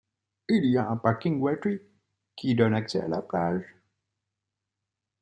Il y a un parking gratuit qui donne accès à la plage.